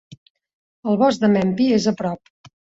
El bosc de Mempi és a prop.